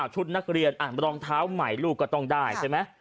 ชุดนักเรียนรองเท้าใหม่ลูกก็ต้องได้ใช่ไหม